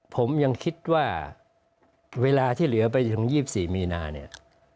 ผมยังคิดว่าเวลาที่เหลือไปถึง๒๔มีนาเนี่ย